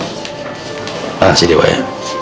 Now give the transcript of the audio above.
makasih dewa ya